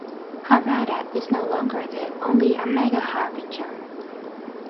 Harada is no longer the only Omega Harbinger.